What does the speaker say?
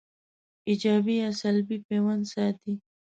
ایجابي یا سلبي پیوند ساتي